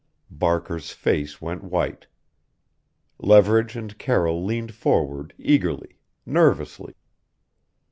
Barker's face went white. Leverage and Carroll leaned forward eagerly nervously.